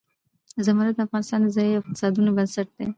زمرد د افغانستان د ځایي اقتصادونو بنسټ دی.